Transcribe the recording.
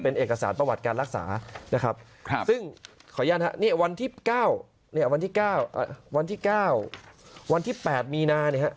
เป็นเอกสารประวัติการรักษานะครับซึ่งขออนุญาณนะครับวันที่๙วันที่๘มีนา